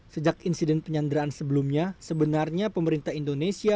sejak insiden penyanderaan sebelumnya sebenarnya pemerintah indonesia